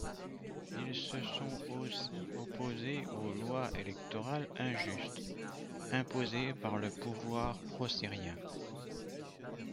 Ils se sont aussi opposés aux lois électorales injustes imposées par le pouvoir prosyrien.